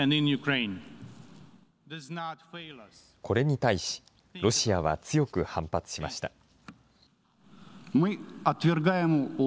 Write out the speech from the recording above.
これに対し、ロシアは強く反発しました。